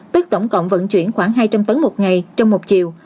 tức tổng cộng vận chuyển khoảng hai trăm linh tấn một ngày trong một chiều